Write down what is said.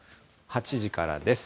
８時からです。